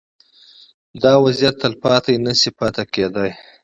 دا وضعیت تلپاتې نه شي پاتې کېدای.